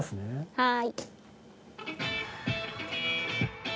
はい。